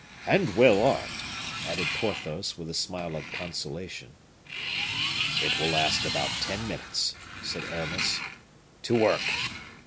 "And well armed," added Porthos, with a smile of consolation. "It will last about ten minutes," said Aramis. "To work!"